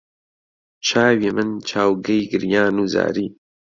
چاوی من چاوگەی گریان و زاری